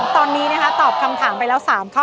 ตอนนี้ตอบคำถามไปแล้ว๓ข้อ